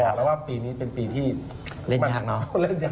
บอกแล้วว่าปีนี้เป็นปีที่เล่นยากบอกเลย